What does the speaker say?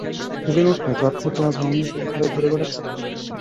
এই সেদিন উঠলে জ্বর থেকে আজ আমনি কুলতলায় ঘুরে বেড়াচ্চ!